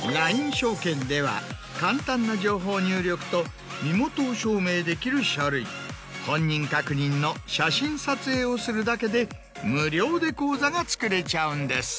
証券では簡単な情報入力と身元を証明できる書類本人確認の写真撮影をするだけで無料で口座が作れちゃうんです。